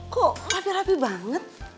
kok rapi rapi banget